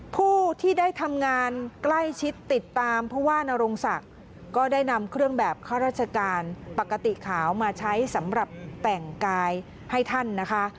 ผู้ที่ได้ทำงานใกล้ชิดติดตามผู้ว่านรงศักดิ์ก็ได้นำเครื่องแบบข้าราชการปกติขาวมาใช้สำหรับแต่งกายให้ท่านนะคะ